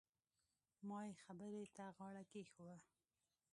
ما يې خبرې ته غاړه کېښووه.